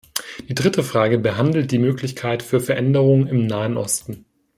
Die dritte Frage behandelt die Möglichkeit für Veränderungen im Nahen Osten.